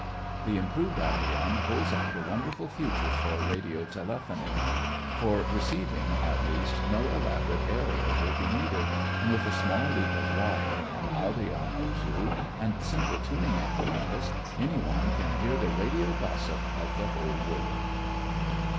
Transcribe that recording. The improved audion holds out a wonderful future for radiotelephony. For receiving, at least, no elaborate aërial will be needed, and with a small loop of wire, an audion or two, and simple tuning apparatus any one can hear the radio gossip of the whole world.